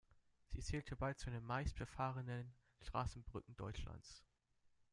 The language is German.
Sie zählte bald zu den meist befahrenen Straßenbrücken Deutschlands.